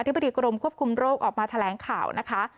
บดีกรมควบคุมโรคออกมาแถลงข่าวนะคะ